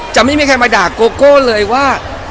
จะไม่มีใครมาด่าโกโก้เลยว่า